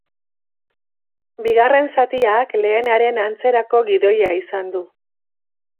Bigarren zatiak lehenaren antzerako gidoia izan du.